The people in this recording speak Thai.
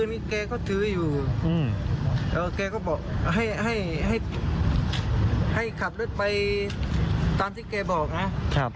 นี่แกก็ถืออยู่แกก็บอกให้ขับรถไปตามที่แกบอกนะ